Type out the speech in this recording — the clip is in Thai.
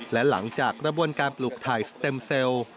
และหลังจากกระบวนการปลูกถ่ายสเต็มเซลล์